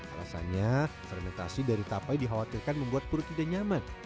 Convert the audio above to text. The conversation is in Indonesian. alasannya fermentasi dari tapai dikhawatirkan membuat perut tidak nyaman